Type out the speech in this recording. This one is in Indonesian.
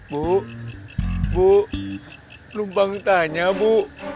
bu bu lu bangit tanya bu